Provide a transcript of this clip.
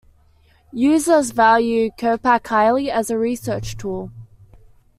Users value Copac highly as a research tool.